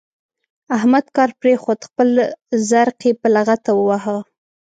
احمد کار پرېښود؛ خپل زرق يې په لغته وواهه.